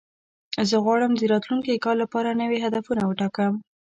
زه غواړم د راتلونکي کال لپاره نوي هدفونه وټاکم.